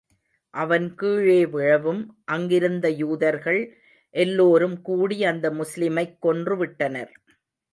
அவன் கீழே விழவும், அங்கிருந்த யூதர்கள் எல்லோரும் கூடி அந்த முஸ்லிமைக் கொன்று விட்டனர்.